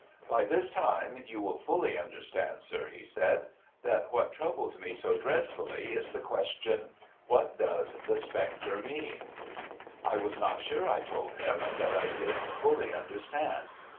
' By this time you will fully understand, sir,' he said, ' that what THE SIGNAL MAN PERPLEXED 465 troubles me so dreadfully is the question, What does the spectre mean ?' I was not sure, I told him, that I did fully understand.